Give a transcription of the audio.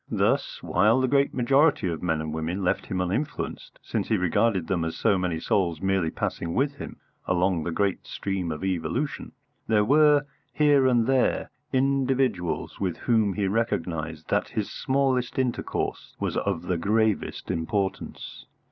Thus, while the great majority of men and women left him uninfluenced since he regarded them as so many souls merely passing with him along the great stream of evolution there were, here and there, individuals with whom he recognised that his smallest intercourse was of the gravest importance.